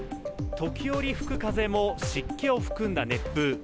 時折吹く風も湿気を含んだ熱風。